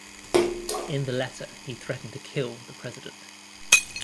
In the letter, he threatened to kill the President.